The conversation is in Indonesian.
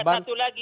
ada satu lagi